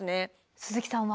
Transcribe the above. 鈴木さんは？